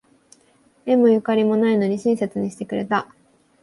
縁もゆかりもないのに親切にしてくれた